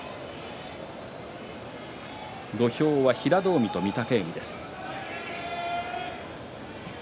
土俵は平戸海と御嶽海です。